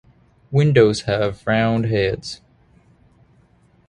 Windows have round heads.